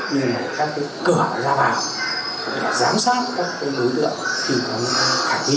như là các cửa ra vào để giám sát các đối tượng khi có những thảy đi